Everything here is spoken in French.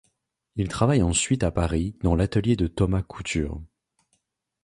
Il travaille ensuite à Paris dans l'atelier de Thomas Couture.